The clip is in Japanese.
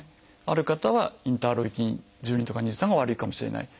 ある方はインターロイキン１２とか２３が悪いかもしれない。